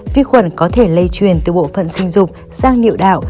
vi khuẩn có thể lây truyền từ bộ phận sinh dục sang điệu đạo